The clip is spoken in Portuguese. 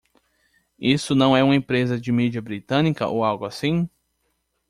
Isso não é uma empresa de mídia britânica ou algo assim?